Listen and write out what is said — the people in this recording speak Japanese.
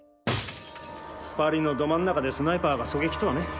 パリのど真ん中でスナイパーが狙撃とはね。